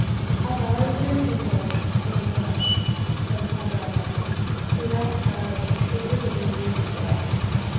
A volley from the Fingoes in the bush killed several of them; the rest, however, succeeded in gaining the forest.